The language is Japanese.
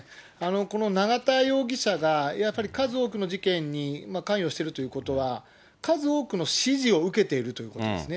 この永田容疑者が、やっぱり数多くの事件に関与しているということは、数多くの指示を受けているということですね。